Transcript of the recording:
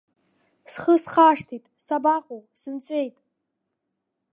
Схы схашҭит, сабаҟоу, сынҵәеит.